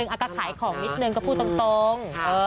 อากาศขายของนิดนึงก็พูดตรง